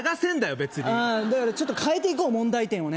べつにだからちょっと変えていこう問題点をね